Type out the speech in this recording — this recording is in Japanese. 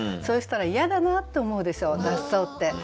そうしたら嫌だなと思うでしょ雑草って。